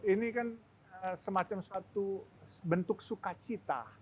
ini kan semacam suatu bentuk sukacita